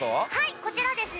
こちらですね